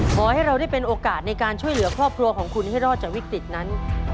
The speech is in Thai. ขอให้เราได้เป็นโอกาสในการช่วยเหลือครอบครัวของคุณให้รอดจากวิกฤตนั้น